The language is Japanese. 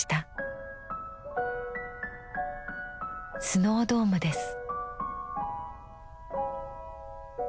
スノードームです。